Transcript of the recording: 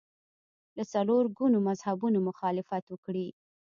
له څلور ګونو مذهبونو مخالفت وکړي